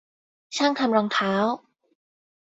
ช่างทำรองเท้า